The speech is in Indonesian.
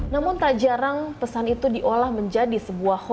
namun tak jarang pesan itu diolah menjadi sebuah hoax